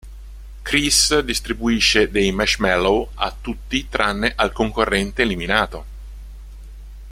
Chris distribuisce dei marshmallow a tutti tranne al concorrente eliminato.